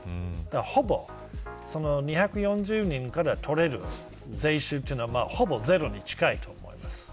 ほぼ、２４０人から取れる税収というのはほぼゼロに近いと思います。